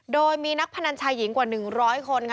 โดยมีนักพนันชายหญิงกว่า๑๐๐คนค่ะ